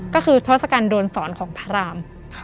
ก็คือทศกัณฐวนสอนของพระราม